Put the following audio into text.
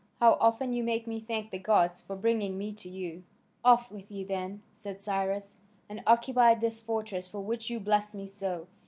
How often you make me thank the gods for bringing me to you!" "Off with you, then," said Cyrus, "and occupy this fortress for which you bless me so.